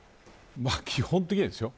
基本的にですよ。